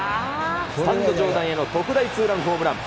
スタンド上段への特大ホームラン。